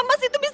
aku mau ke rumah